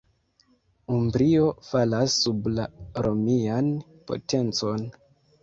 Umbrio falas sub la romian potencon.